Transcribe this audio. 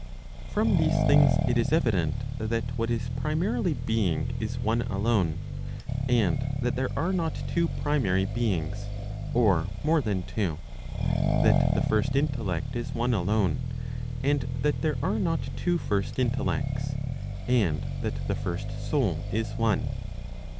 From these things it is evident, that what is primarily being is one alone, and that there are not two primary beings, or more than two; that the first intellect is one alone, and that there are not two first intellects; and that the first soul is one.